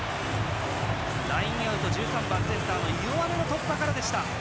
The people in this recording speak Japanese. ラインアウト、１３番センターのイオアネの突破からでした。